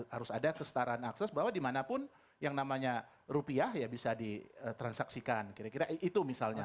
harus ada kesetaraan akses bahwa dimanapun yang namanya rupiah ya bisa ditransaksikan kira kira itu misalnya